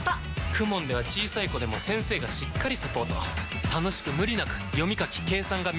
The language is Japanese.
ＫＵＭＯＮ では小さい子でも先生がしっかりサポート楽しく無理なく読み書き計算が身につきます！